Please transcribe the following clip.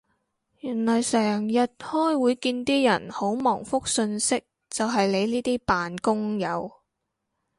原來成日開會見啲人好忙覆訊息就係你呢啲扮工友